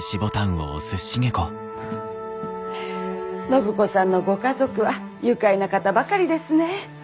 暢子さんのご家族は愉快な方ばかりですね。